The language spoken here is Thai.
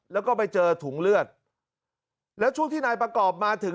แล้วก็ไปเจอถุงเลือดแล้วช่วงที่นายประกอบมาถึง